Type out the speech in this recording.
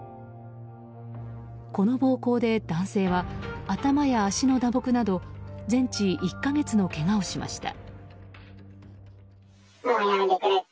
この暴行で、男性は頭や足の打撲など全治１か月のけがをしました。